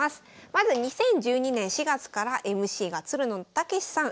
まず２０１２年４月からＭＣがつるの剛士さん